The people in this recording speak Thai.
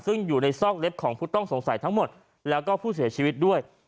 ซึ่งอยู่ในซอกเล็บของผู้ต้องสงสัยทั้งหมดแล้วก็ผู้เสียชีวิตด้วย